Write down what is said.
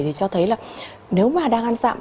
thì cho thấy là nếu mà đang ăn dặm